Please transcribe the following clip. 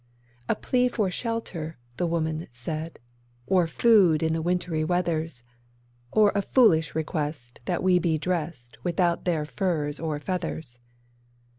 'A plea for shelter,' the woman said, 'or food in the wintry weathers, Or a foolish request that we be dressed without their furs or feathers.